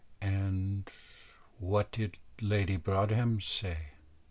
"And what did Lady Broadhem say?"